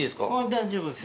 大丈夫ですよ。